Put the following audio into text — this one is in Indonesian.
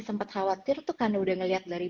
sempat khawatir tuh karena udah ngelihat dari